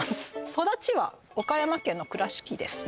育ちは岡山県の倉敷ですね